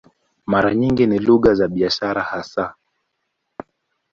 Mara nyingi ni lugha za biashara hasa.